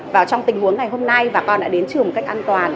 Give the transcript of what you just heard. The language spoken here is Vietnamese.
và trong tình huống ngày hôm nay bà con đã đến trường một cách an toàn